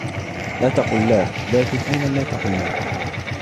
لا تقل لا ، لكن أيضا لا تقل نعم.